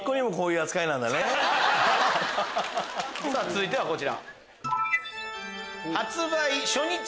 続いてはこちら。